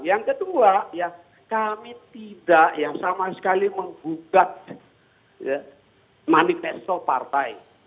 yang kedua ya kami tidak ya sama sekali menggugat manifesto partai